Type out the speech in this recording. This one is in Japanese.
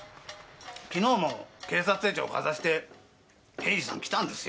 昨日も警察手帳かざして刑事さん来たんですよ。